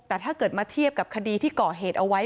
แต่ถ้าเกิดมาเทียบกับคดีที่ก่อเหตุเอาไว้